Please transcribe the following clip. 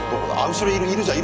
後ろいるいるじゃん。